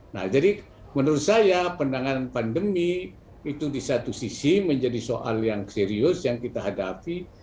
nah jadi menurut saya penanganan pandemi itu di satu sisi menjadi soal yang serius yang kita hadapi